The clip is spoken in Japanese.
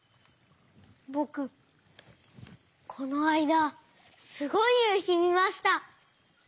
ぼくこのあいだすごいゆうひみました！